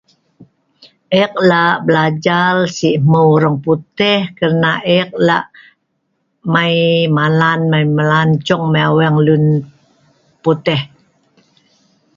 Eek la’ belajal si’ hmeu orang putih kerna ek la’ mai malan mai melancung mai aweng luen putih